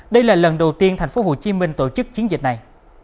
đây là lần đầu tiên tp hcm tổ chức chiến dịch này